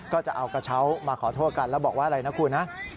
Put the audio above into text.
ก็จะเอากระเช้ามาขอโทษกันแล้วบอกว่าอะไรนะคุณนะ